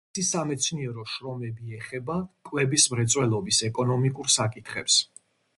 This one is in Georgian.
მისი სამეცნიერო შრომები ეხება კვების მრეწველობის ეკონომიკურ საკითხებს.